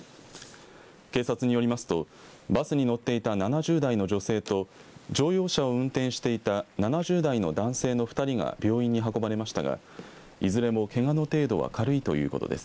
警察によりますとバスに乗っていた７０代の女性と乗用車を運転していた７０代の男性の２人が病院に運ばれましたがいずれもけがの程度は軽いということです。